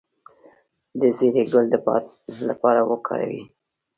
د زیرې ګل د باد لپاره وکاروئ